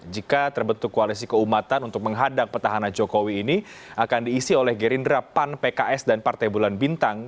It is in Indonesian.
jika terbentuk koalisi keumatan untuk menghadang petahana jokowi ini akan diisi oleh gerindra pan pks dan partai bulan bintang